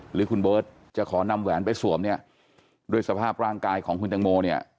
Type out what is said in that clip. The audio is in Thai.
หรือคุณเบิร์ตจะขอนำแหวนไปสวมเนี่ยด้วยสภาพร่างกายของคุณตังโมเนี่ย